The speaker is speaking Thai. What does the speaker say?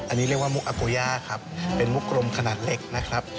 อันนี้เรียกว่ามุกอาโกย่าครับเป็นมุกลมขนาดเล็กนะครับ